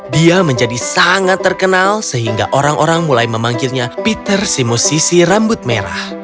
dia menjadi sangat terkenal sehingga orang orang mulai memanggilnya peter si musisi rambut merah